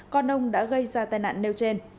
con ông đã gây ra tai nạn nêu trên